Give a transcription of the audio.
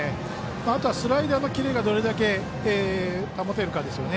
あとはスライダーのキレがどれだけ保てるかですね。